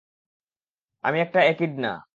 আমি একটা একিডনা!